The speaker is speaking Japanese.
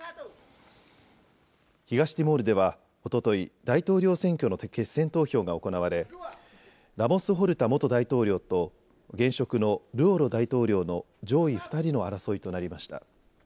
東ティモールではおととい、大統領選挙の決選投票が行われラモス・ホルタ元大統領と現職のルオロ大統領の上位２人の争いとなりました。